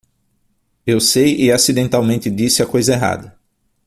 Eu sei e acidentalmente disse a coisa errada.